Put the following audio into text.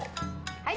はい。